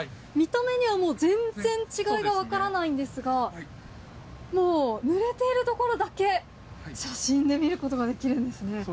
見た目にはもう全然違いが分からないんですが、もうぬれている所だけ写真で見ることができるんですね。